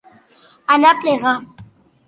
Anar a plegar.